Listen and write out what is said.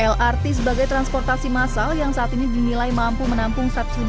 lrt sebagai transportasi massal yang saat ini dinilai mampu menampung